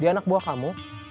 dia anak buah kamu